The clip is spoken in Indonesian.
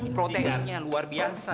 proteinnya luar biasa